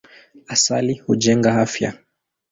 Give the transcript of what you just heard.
Asali hujenga afya.